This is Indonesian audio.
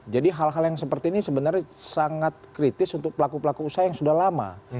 jadi hal hal yang seperti ini sebenarnya sangat kritis untuk pelaku pelaku usaha yang sudah lama